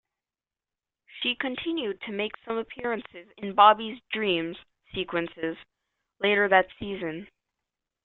She continued to make some appearances in Bobby's dream sequences later that season.